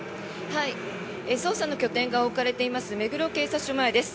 捜査の拠点が置かれています目黒警察署前です。